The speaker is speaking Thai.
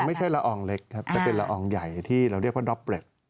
ละอองเล็กครับแต่เป็นละอองใหญ่ที่เราเรียกว่าด็อกเล็ต